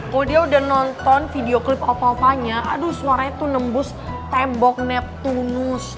kalau dia udah nonton video klip opa opanya aduh suaranya tuh nembus tembok neptunus